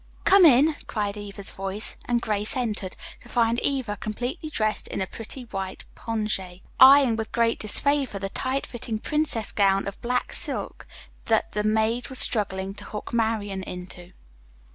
"Come in," cried Eva's voice, and Grace entered, to find Eva completely dressed in a pretty white pongee, eyeing with great disfavor the tight fitting princess gown of black silk that the maid was struggling to hook Marian into.